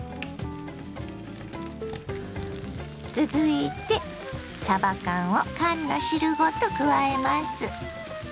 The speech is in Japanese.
続いてさば缶を缶の汁ごと加えます。